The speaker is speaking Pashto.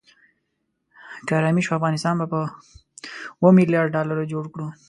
که آرامي شوه افغانستان به په اوو ملیاردو ډالرو جوړ کړو.